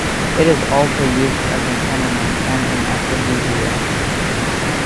It is also used as an enema and an aphrodisiac.